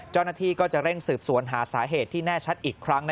เจ้าหน้าที่ก็จะเร่งสืบสวนหาสาเหตุที่แน่ชัดอีกครั้ง